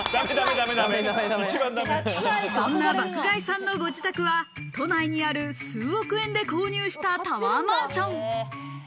そんな爆買いさんのご自宅は都内にある、数億円で購入したタワーマンション。